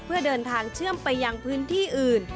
เพื่อเดินทางเชื่อมไปยังพื้นที่อื่น